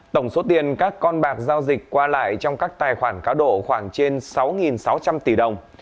tổng số tiền các con bạc giao dịch qua lại trong các tài khoản cáo độ khoảng trên sáu sáu trăm linh tỷ đồng